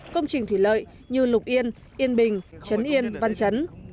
công trình thủy lợi như lục yên yên bình trấn yên văn chấn